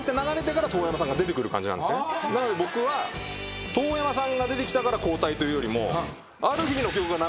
なので僕は遠山さんが出てきたから交代というよりも。